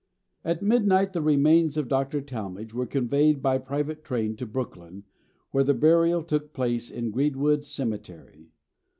At midnight the remains of Dr. Talmage were conveyed by private train to Brooklyn, where the burial took place in Greenwood Cemetery.